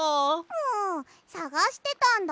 もうさがしてたんだよ。